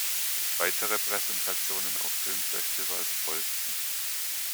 Weitere Präsentationen auf Filmfestivals folgten.